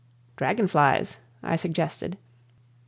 "Dragon flies," I suggested.